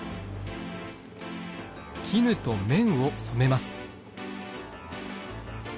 絹と綿を染めます。